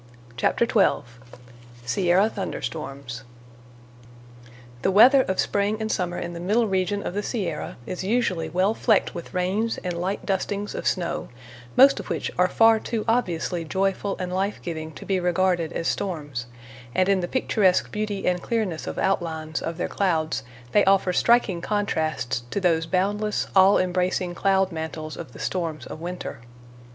CHAPTER XII SIERRA THUNDER STORMS The weather of spring and summer in the middle region of the Sierra is usually well flecked with rains and light dustings of snow, most of which are far too obviously joyful and life giving to be regarded as storms; and in the picturesque beauty and clearness of outlines of their clouds they offer striking contrasts to those boundless, all embracing cloud mantles of the storms of winter.